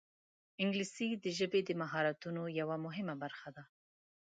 انګلیسي د ژبې د مهارتونو یوه مهمه برخه ده